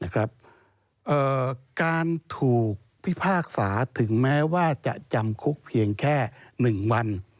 การถูกพิพากษาถึงแม้ว่าจะจำคุกเพียงแค่๑วัน